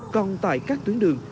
còn tại các tuyến đường